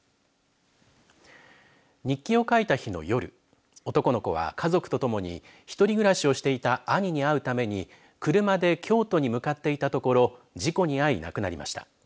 日記を書いた日の夜男の子は家族とともに１人暮らしをしていた兄に会うために車で京都に向かっていたところ事故に遭い亡くなりました。